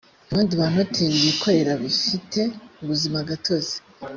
abandi banoteri bikorera bifite ubuzimagatozi